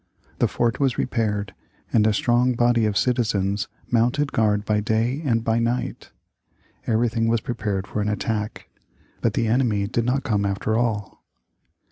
The fort was repaired, and a strong body of citizens mounted guard by day and by night. Everything was prepared for an attack. But the enemy did not come after all.